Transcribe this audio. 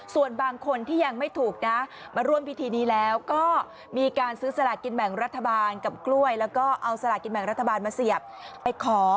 ส่วนบางคนที่ยังไม่ถูกนะมาร่วมพิธีนี้แล้วก็มีการซื้อสลากินแบ่งรัฐบาลกับกล้วยแล้วก็เอาสลากินแบ่งรัฐบาลมาเสียบไปขอ